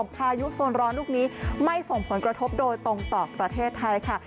พายุโซนร้อนลูกนี้ไม่ส่งผลกระทบโดยตรงต่อประเทศไทยค่ะ